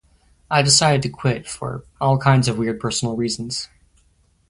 I decided to quit for all kinds of weird personal reasons ...